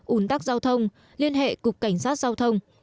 ủn tắc giao thông liên hệ cục cảnh sát giao thông